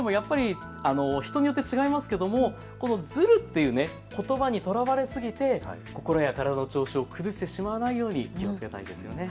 人によって違いますがこのずるということばにとらわれすぎて心や体の調子を崩してしまわないようにしたいですね。